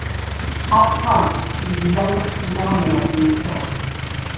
At the time she was the youngest female mayor in Ukraine.